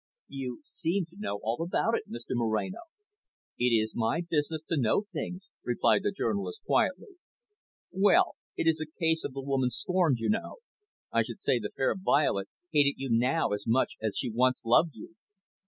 "You seem to know all about it, Mr Moreno." "It is my business to know things," replied the journalist quietly. "Well, it is a case of the `woman scorned,' you know. I should say the fair Violet hated you now as much as she once loved you."